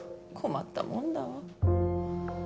困ったもんだわ。